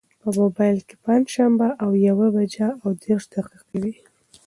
په مبایل کې پنجشنبه او یوه بجه او دېرش دقیقې وې.